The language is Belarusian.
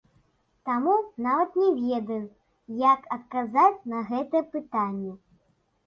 Таму нават не ведаю, як адказаць на гэтае пытанне.